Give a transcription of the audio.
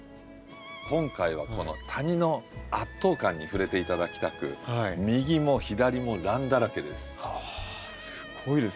今回はこの谷の圧倒感に触れて頂きたく右も左もランだらけです。